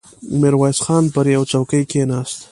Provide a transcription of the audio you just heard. ميرويس خان پر يوه څوکۍ کېناست.